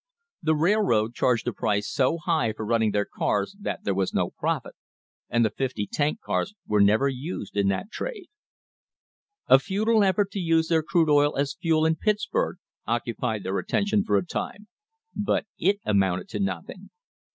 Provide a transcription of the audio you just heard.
The railroad charged a price so high for running their cars that there was no profit, and the fifty tank cars were never used in that trade. A futile effort to use their crude oil as fuel in Pittsburg occupied their attention for a time, but it amounted to nothing.